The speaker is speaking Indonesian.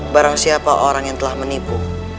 barang siapa orang yang telah menipu